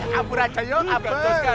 kapur aja yuk